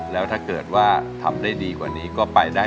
แล้วถ้าเกิดว่าทำได้ดีกว่านี้ก็ไปได้